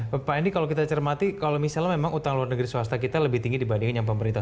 bapak ini kalau kita cermati kalau misalnya memang utang luar negeri swasta kita lebih tinggi dibandingin yang pemerintah